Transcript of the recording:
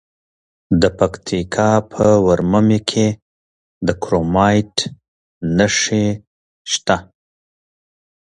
د پکتیکا په ورممی کې د کرومایټ نښې شته.